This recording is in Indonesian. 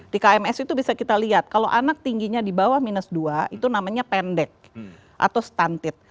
di kms itu bisa kita lihat kalau anak tingginya di bawah minus dua itu namanya pendek atau stuntid